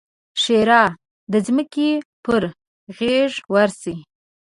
ښېرا: د ځمکې پر غېږ ورسئ!